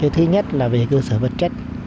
thứ nhất là về cơ sở vật chất